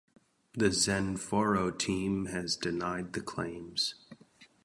The XenForo team has denied the claims.